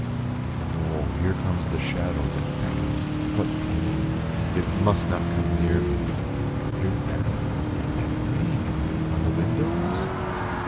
Oh, here comes the shadow that beckons what pain ? It must not come near me ! Hear that? That rain On the windows?